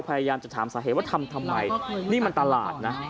พยายามจะถามสาเหตุว่าทำทำไมนี่มันตลาดนะ